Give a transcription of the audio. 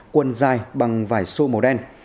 quần dài bằng vải xô màu đen